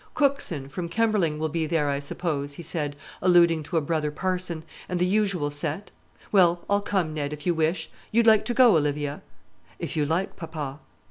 "Cookson, from Kemberling, will be there, I suppose," he said, alluding to a brother parson, "and the usual set? Well, I'll come, Ned, if you wish it. You'd like to go, Olivia?" "If you like, papa."